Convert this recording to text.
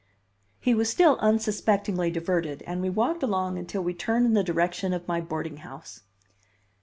He was still unsuspectingly diverted; and we walked along until we turned in the direction of my boarding house.